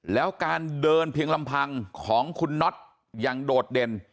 แล้วการเดินเพียงลำพังของคุณน็อตยังโดดเด่น